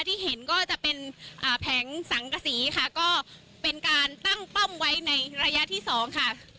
ที่เห็นก็จะเป็นอ่าแผงสังกษีค่ะก็เป็นการตั้งป้อมไว้ในระยะที่สองค่ะ